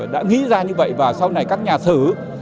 đã nghĩ ra như vậy và sau này các nhà thử